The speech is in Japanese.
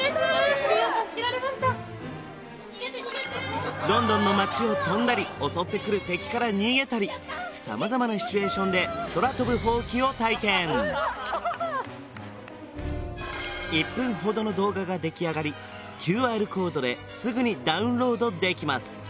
ハリーを助けられましたロンドンの街を飛んだり襲ってくる敵から逃げたり様々なシチュエーションで空飛ぶほうきを体験１分ほどの動画ができあがりＱＲコードですぐにダウンロードできます